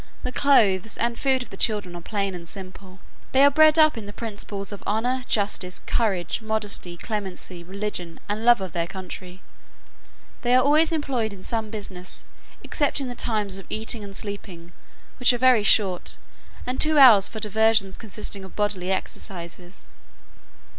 The clothes and food of the children are plain and simple. They are bred up in the principles of honour, justice, courage, modesty, clemency, religion, and love of their country; they are always employed in some business, except in the times of eating and sleeping, which are very short, and two hours for diversions consisting of bodily exercises.